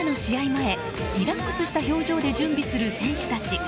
前、リラックスした表情で準備する選手たち。